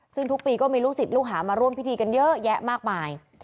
ซึ่งทุกปีก็มีลูกศิษย์ลูกหามาร่วมพิธีกันเยอะแยะมากมาย